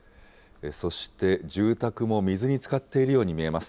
そして住宅も水につかっているように見えます。